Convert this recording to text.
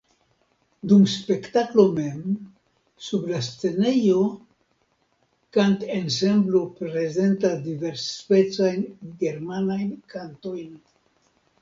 Dum spektaklo mem, sub la scenejo kantensemblo prezentas diversspecajn germanajn kantojn.